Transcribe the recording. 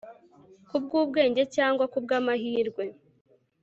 kubwubwenge cyangwa kubwamahirwe